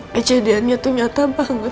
kejadiannya tuh nyata banget